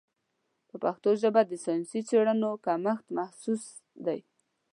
په پښتو ژبه د ساینسي څېړنو کمښت محسوس دی.